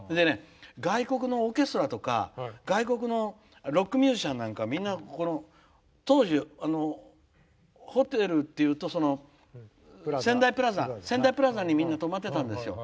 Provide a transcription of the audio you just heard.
外国のオーケストラとか外国のロックミュージシャンなんかはみんな当時、ホテルっていうと仙台プラザにみんな泊まってたんですよ。